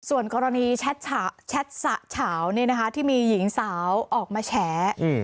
ส่วนกรณีแชทสะเฉาที่มีหญิงสาวออกมาแฉ